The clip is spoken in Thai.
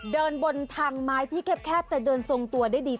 เดินบนทางไม้ที่แคบแต่เดินทรงตัวได้ดี